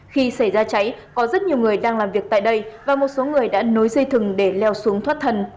khi xảy ra cháy có rất nhiều người đang làm việc tại đây và một số người đã nối dây thừng để leo xuống thoát thần